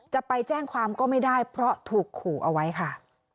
จะไปแจ้งความก็ไม่ได้เพราะถูกขู่เอาไว้ค่ะ